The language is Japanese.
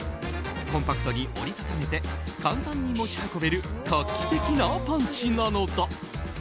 コンパクトに折り畳めて簡単に持ち運べる画期的なパンチなのだ。